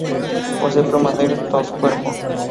Posee plumas negras en todo su cuerpo.